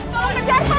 tolong kejar pak